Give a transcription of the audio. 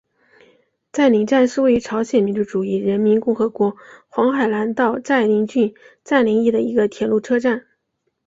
载宁站是位于朝鲜民主主义人民共和国黄海南道载宁郡载宁邑的一个铁路车站。